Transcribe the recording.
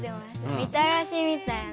みたらしみたいな。